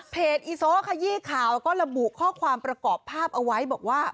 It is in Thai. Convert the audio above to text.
อีโซขยี้ข่าวก็ระบุข้อความประกอบภาพเอาไว้บอกว่า